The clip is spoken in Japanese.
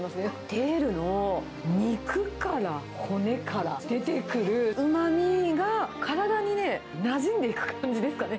テールの肉から骨から出てくるうまみが体にね、なじんでいく感じ